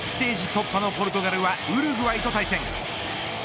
突破のポルトガルはウルグアイと対戦。